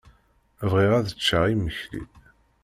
Bɣiɣ ad ččeɣ imekli.